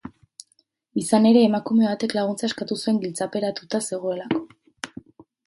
Izan ere, emakume batek laguntza eskatu zuen giltzaperatuta zegoelako.